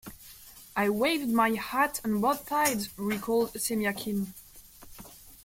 "I waved my hat on both sides," recalled Semyakin.